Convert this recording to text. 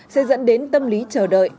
sẽ dẫn đến tâm lý chờ đợi